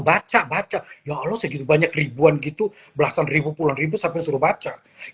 baca baca ya allah segitu banyak ribuan gitu belasan ribu puluhan ribu sampai suruh baca